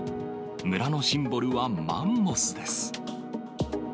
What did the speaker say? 村のシンボルはマンモスです。